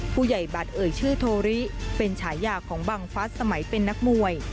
ผู้ใหญ่บัตรเอ่ยชื่อโทริเป็นฉายาของบังฟัสสมัยเป็นนักมวย